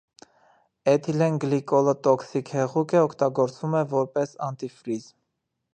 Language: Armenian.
Էթիլենգլիկոլը տոքսիկ հեղուկ է, օգտագործվում է որպես անտիֆրիզ։